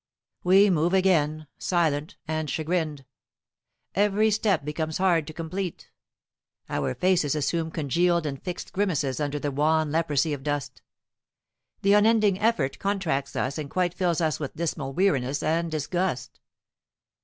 We move again, silent and chagrined. Every step becomes hard to complete. Our faces assume congealed and fixed grimaces under the wan leprosy of dust. The unending effort contracts us and quite fills us with dismal weariness and disgust.